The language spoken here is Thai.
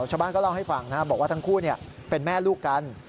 ชาวบ้านก็เล่าให้ฟังบอกว่าทั้งคู่เป็นแม่ลูกกัน